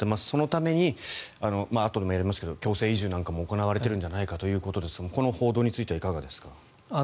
そのためにあとでもやりますけど強制移住なんかも行われているのではということですがこの報道についてはいかがですか？